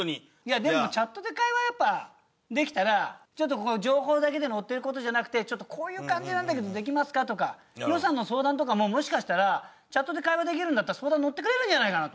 でもチャットで会話できたら情報だけで載ってる事じゃなくてこういう感じなんだけどできますか？とか予算の相談とかももしかしたらチャットで会話できるんだったら相談のってくれるんじゃないかなと。